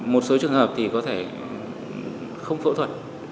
một số trường hợp thì có thể không phẫu thuật